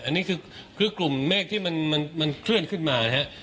อันนี้คือกลุ่มเมฆที่มันเคลื่อนขึ้นมานะครับ